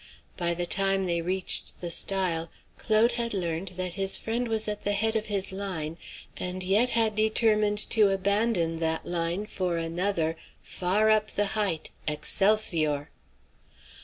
By the time they reached the stile, Claude had learned that his friend was at the head of his line, and yet had determined to abandon that line for another "Far up the height Excelsior!"